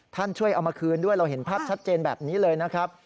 ช่วยเอามาคืนด้วยเราเห็นภาพชัดเจนแบบนี้เลยนะครับ